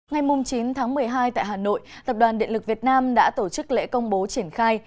ngày chín tháng một mươi hai tại hà nội tập đoàn điện lực việt nam đã tổ chức lễ công bố triển khai